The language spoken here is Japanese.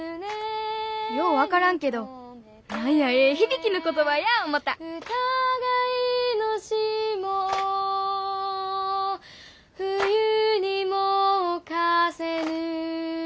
よう分からんけど何やええ響きの言葉や思た「疑いの霜を冬にもおかせぬ」